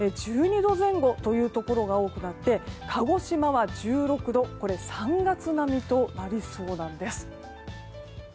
１２度前後というところが多くなって鹿児島は１６度３月並みとなりそうなんです。